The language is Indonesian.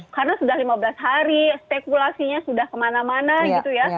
karena sudah lima belas hari